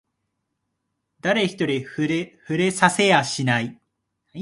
誰一人触れさせやしない